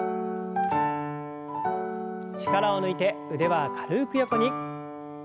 力を抜いて腕は軽く横に。